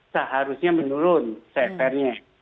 seharusnya menurun cfr nya